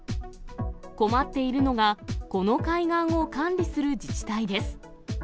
困っているのが、この海岸を管理する自治体です。